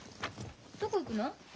どこ行くの？